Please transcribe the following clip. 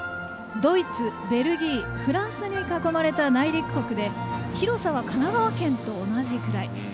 ドイツ、ベルギー、フランスに囲まれた内陸国で広さは神奈川県と同じぐらい。